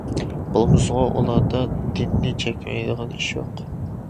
بولمىسىغۇ ئۇلاردا دىننى چەكلەيدىغان ئىش يوق.